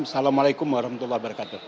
assalamualaikum warahmatullahi wabarakatuh